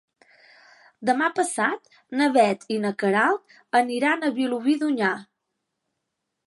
Demà passat na Bet i na Queralt aniran a Vilobí d'Onyar.